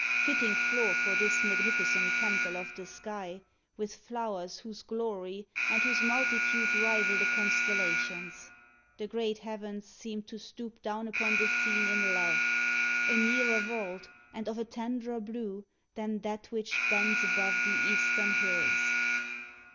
Fitting floor For this magnificent temple of the sky With flowers whose glory and whose multitude Rival the constellations! The great heavens Seem to stoop down upon the scene in love, A nearer vault, and of a tenderer blue, Than that which bends above the eastern hills.